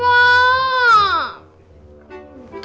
bunga kan cuma mau cerita pak